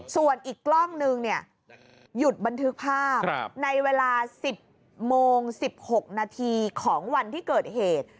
ส่วนอีกกล้องนึงเนี่ยหยุดบันทึกภาพในเวลา๑๐โมง๑๖นาทีของวันที่เกิดเหตุ